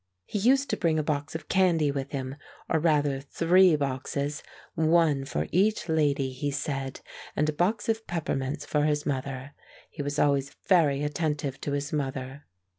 He used to bring a box of candy with him, or rather three boxes one for each lady, he said and a box of peppermints for his mother. He was always very attentive to his mother.